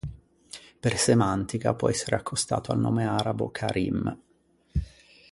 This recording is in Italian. Per semantica, può essere accostato al nome arabo Karim.